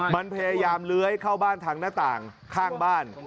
มันพยายามเลื้อยเข้าบ้านทางหน้าต่างข้างบ้าน